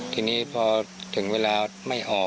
ทีนี้พอถึงเวลาไม่ออก